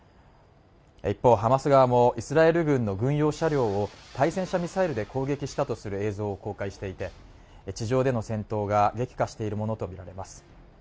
一方ハマス側もイスラエル軍の軍用車両対戦車ミサイルで攻撃したとする映像を公開していて地上での戦闘が激化しているものとみられます